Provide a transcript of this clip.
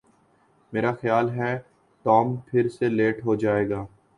میرا خیال ہے ٹام پھر سے لیٹ ہو جائے گا